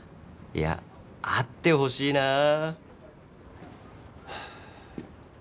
いやあってほしいな。